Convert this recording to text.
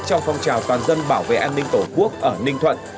cho phong trào toàn dân bảo vệ an ninh tổ quốc ở ninh thuận